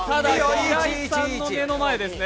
平井さんの目の前ですね。